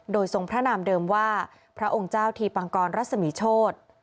โดยทรงพระนามเดิมว่าพระองค์เจ้าทีปังกรรัศมีโชธ